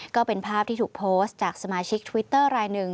ก็เป็นภาพที่ถูกโพสต์จากสมาชิกทวิตเตอร์รายหนึ่ง